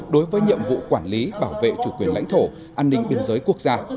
đối với nhiệm vụ quản lý bảo vệ chủ quyền lãnh thổ an ninh biên giới quốc gia